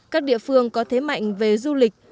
các địa phương có thế mạnh về du lịch